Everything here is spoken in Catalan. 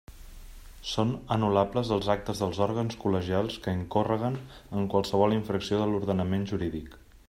Són anul·lables els actes dels òrgans col·legials que incórreguen en qualsevol infracció de l'ordenament jurídic.